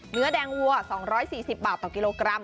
เนื้อแดงวัว๒๔๐บาทต่อกิโลกรัม